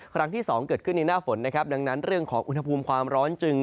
ครั้งที่สองเกิดขึ้นในหน้าฝนนะครับดังนั้นเรื่องของอุณหภูมิความร้อนจึง